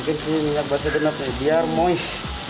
ini kita kasih minyak batu dengap ya biar moist